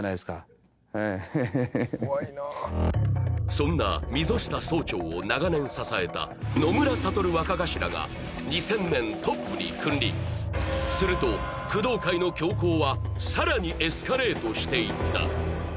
そんな溝下総長を長年支えた野村悟若頭が２０００年トップに君臨すると工藤会の凶行はさらにエスカレートしていった